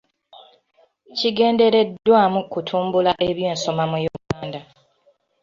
Kigendereddwamu kutumbula ebyensoma mu Uganda.